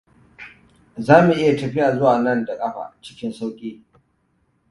Za mu iya tafiya zuwa nan da ƙafa cikin sauƙi.